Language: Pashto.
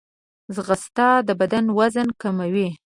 ځغاسته د بدن وزن کموي